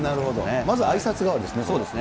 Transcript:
まずあいさつがわりですね。